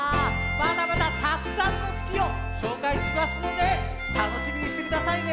まだまだたくさんの「すき」をしょうかいしますのでたのしみにしてくださいね。